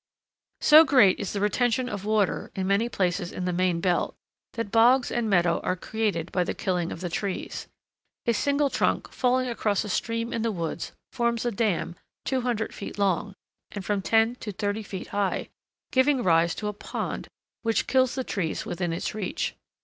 So great is the retention of water in many places in the main belt, that bogs and meadows are created by the killing of the trees. A single trunk falling across a stream in the woods forms a dam 200 feet long, and from ten to thirty feet high, giving rise to a pond which kills the trees within its reach.